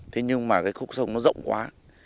thế nhưng mà cái khúc sông nó rộng quá